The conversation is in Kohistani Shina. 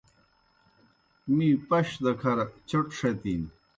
می پشوْ دہ کھر چوْٹ ݜتِن۔